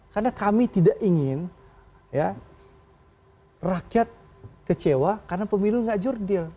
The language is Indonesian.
karena kami tidak ingin rakyat kecewa karena pemilu ini tidak jujur